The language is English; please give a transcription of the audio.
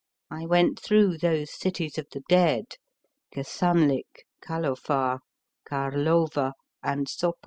I went through those cities of the dead, Kesanlik, Calofar, Carlova, and Sopot.